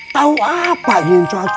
tahu apa dia bisa berikan